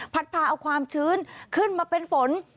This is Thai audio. พาเอาความชื้นขึ้นมาเป็นฝน